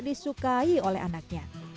bisa disukai oleh anaknya